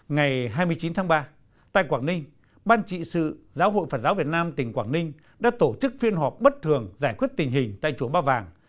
ngày hai mươi chín tháng ba tại quảng ninh ban trị sự giáo hội phật giáo việt nam tỉnh quảng ninh đã tổ chức phiên họp bất thường giải quyết tình hình tại chùa ba vàng